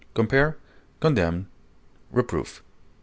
Compare CONDEMN; REPROOF.